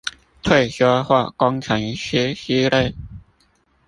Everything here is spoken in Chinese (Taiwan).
退休或工程師之類